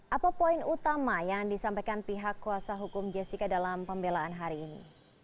apa poin utama yang disampaikan pihak kuasa hukum jessica dalam pembelaan hari ini